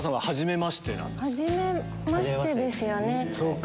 はじめましてですよね。